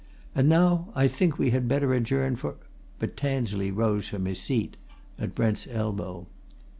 And now I think we had better adjourn for " But Tansley rose from his seat at Brent's elbow.